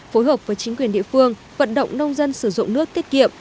phối hợp với chính quyền địa phương vận động nông dân sử dụng nước tiết kiệm